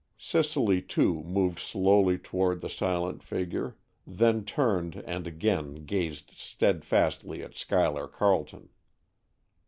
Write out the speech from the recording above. Cicely, too, moved slowly toward the silent figure, then turned and again gazed steadfastly at Schuyler Carleton.